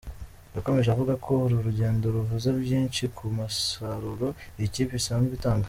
Yakomeje avuga ko uru rugendo ruvuze byinshi ku musaruro iyi kipe isanzwe itanga.